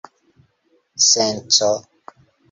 senco